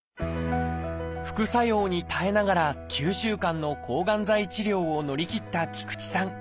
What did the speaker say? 副作用に耐えながら９週間の抗がん剤治療を乗り切った菊池さん。